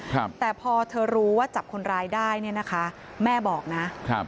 ครับแต่พอเธอรู้ว่าจับคนร้ายได้เนี่ยนะคะแม่บอกนะครับ